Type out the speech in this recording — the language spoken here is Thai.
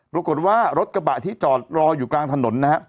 ปรากฏว่ารถกระบะที่จอดรออยู่กลางถนนนะฮะ